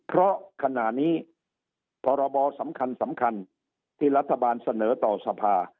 เพราะขณะนี้พรบสำคัญสำคัญที่รัฐบาลเสนอต่อสภา